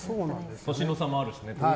年の差もあるしね。